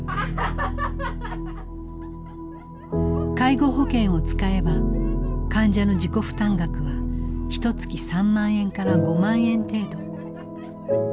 介護保険を使えば患者の自己負担額はひとつき３万円から５万円程度。